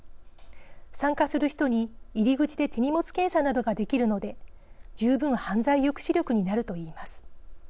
参加する人に入り口で手荷物検査などができるので十分、犯罪抑止力になると言います。